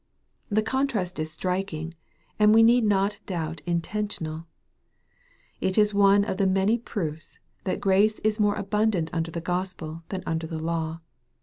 The contrast is striking, and we need not doubt intentional It is one of the many proofs, that grace is more abun dant under the Gospel than under the law.